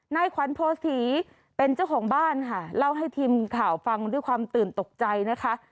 นายขวัญโพศีเป็นเจ้าของบ้านค่ะเล่าให้ทีมข่าวฟังด้วยความตื่นตกใจนะคะ